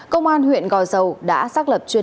công an huyện gò dầu đã xác lập truyền